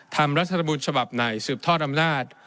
รัฐบุญฉบับไหนสืบทอดอำนาจ